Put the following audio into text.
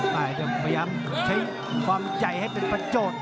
แตกต้องพยายามหยิบความใจให้เป็นประโจทย์